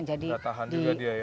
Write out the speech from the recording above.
nggak tahan juga dia ya